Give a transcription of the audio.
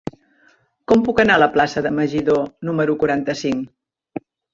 Com puc anar a la plaça de Meguidó número quaranta-cinc?